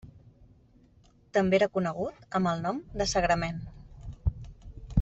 També era conegut amb el nom de sagrament.